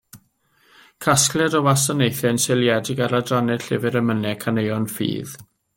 Casgliad o wasanaethau yn seiliedig ar adrannau'r llyfr emynau, Caneuon Ffydd.